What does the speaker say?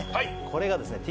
これがですね